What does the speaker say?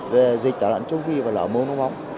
về dịch tạo đoạn chung ghi và lở mồm long móng